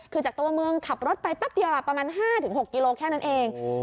คือจากตัวเมืองขับรถไปปั๊บเดียวอะประมาณห้าถึงหกกิโลแค่นั้นเองโอ้โห